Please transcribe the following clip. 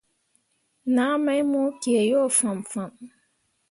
Naa mai mo kǝǝ yo fãmfãm.